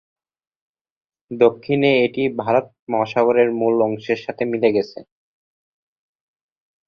দক্ষিণে এটি ভারত মহাসাগরের মূল অংশের সাথে মিলে গেছে।